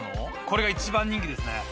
これが一番人気ですね。